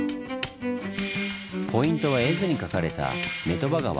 ポイントは絵図に描かれた女鳥羽川。